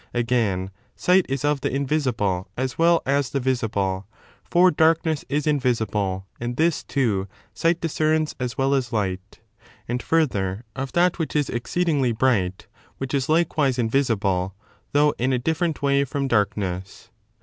Again, sight is of the invisible as well as the visible (for dark 3 ness is invisible and this, too, sight discerns as well as light) and, further, of that which is exceedingly bright, which is likewise in visible, though in a different way from darkness.